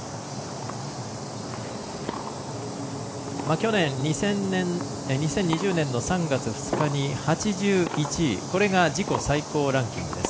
去年、２０２０年の３月２日に８１位、これが自己最高ランキングです。